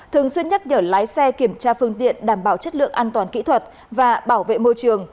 thường xuyên nhắc nhở lái xe kiểm tra phương tiện đảm bảo chất lượng an toàn kỹ thuật và bảo vệ môi trường